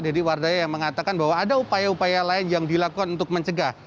deddy wardaya yang mengatakan bahwa ada upaya upaya lain yang dilakukan untuk mencegah